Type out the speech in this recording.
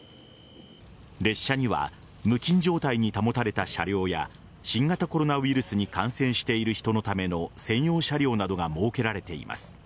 列車には無菌状態に保たれた車両や新型コロナウイルスに感染している人のための専用車両などが設けられています。